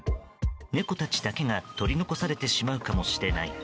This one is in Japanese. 猫たちだけが取り残されてしまうかもしれない。